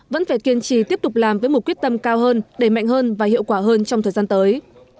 vẫn phải kiên trì tiếp tục làm với một quyết tâm cao hơn đầy mạnh hơn và hiệu quả hơn trong thời gian tới